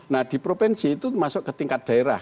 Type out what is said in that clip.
nah di provinsi itu masuk ke tingkat daerah